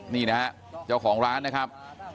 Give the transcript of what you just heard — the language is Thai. นี่นะฮะเจ้าของร้านนะครับ